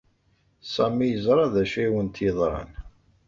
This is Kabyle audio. Sami yeẓra d acu ay awent-yeḍran.